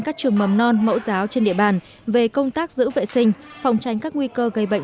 các trường mầm non mẫu giáo trên địa bàn về công tác giữ vệ sinh phòng tránh các nguy cơ gây bệnh